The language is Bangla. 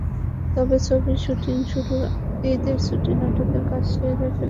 তবে ছবির শুটিং শুরুর আগে ঈদের দুটি নাটকের কাজ সেরে নেন চঞ্চল।